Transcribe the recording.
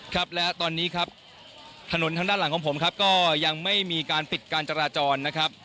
ครับและตอนนี้ครับถนนทางด้านหลังของผมครับก็ยังไม่มีการปิดการจราจรนะครับ